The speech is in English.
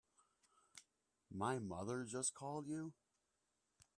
My mother just called you?